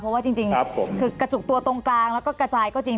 เพราะว่าจริงคือกระจุกตัวตรงกลางแล้วก็กระจายก็จริง